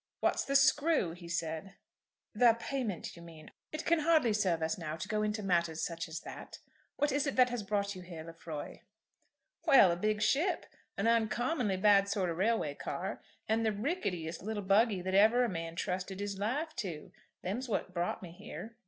"What's the screw?" he said. "The payment, you mean. It can hardly serve us now to go into matters such as that. What is it that has brought you here, Lefroy?" "Well, a big ship, an uncommonly bad sort of railway car, and the ricketiest little buggy that ever a man trusted his life to. Them's what's brought me here."